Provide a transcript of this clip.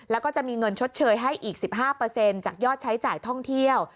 แล้วก็จะมีเงินชดเชยให้อีก๑๕จากยอดใช้จ่ายท่องเที่ยว